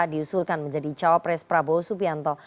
diusulkan menjadi capres caopres prabowo subianto